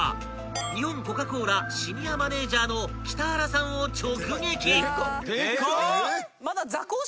［日本コカ・コーラシニアマネージャーの北原さんを直撃！］